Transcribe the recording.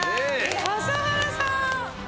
笠原さん！